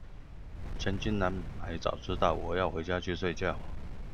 千金難買早知道，我要回家去睡覺